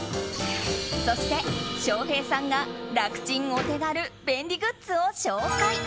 そして、翔平さんが楽チンお手軽便利グッズを紹介。